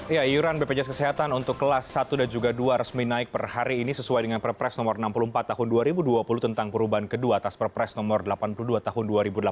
ya iuran bpjs kesehatan untuk kelas satu dan juga dua resmi naik per hari ini sesuai dengan perpres nomor enam puluh empat tahun dua ribu dua puluh tentang perubahan kedua atas perpres nomor delapan puluh dua tahun dua ribu delapan belas